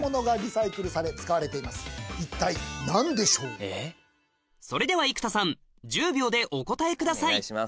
そこでそれでは生田さん１０秒でお答えください